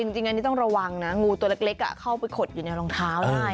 จริงอันนี้ต้องระวังนะงูตัวเล็กเข้าไปขดอยู่ในรองเท้าได้